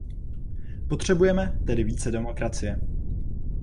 Potřebujeme tedy více demokracie.